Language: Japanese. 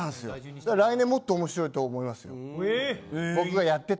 来年もっと面白いと思います。